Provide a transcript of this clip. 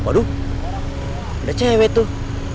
waduh udah cewek tuh